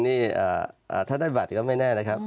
นี่ถ้าได้บัตรก็ไม่แน่นะครับ